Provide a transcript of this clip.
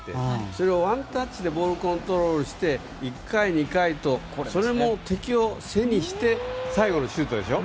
それをワンタッチでボールをコントロールして１回２回とそれも敵を背にして最後のシュートでしょ。